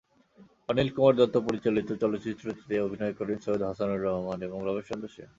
অনিল কুমার দত্ত পরিচালিত চলচ্চিত্রটিতে অভিনয় করেন সৈয়দ হাসানুর রহমান এবং রমেশ চন্দ্র সেন।